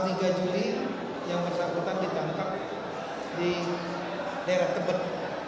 tanggal tiga juli yang bersangkutan ditangkap di daerah tebet